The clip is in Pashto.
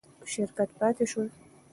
شرکت پاتې شو.